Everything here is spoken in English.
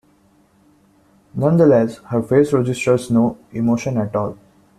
Nonetheless, her face registers no emotion at all.